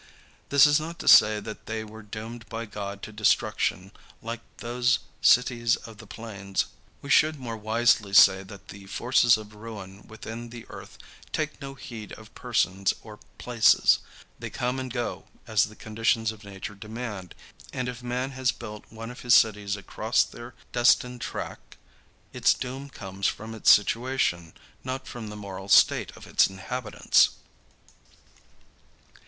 This is not to say that they were doomed by God to destruction like these "cities of the plains." We should more wisely say that the forces of ruin within the earth take no heed of persons or places. They come and go as the conditions of nature demand, and if man has built one of his cities across their destined track, its doom comes from its situation, not from the moral state of its inhabitants.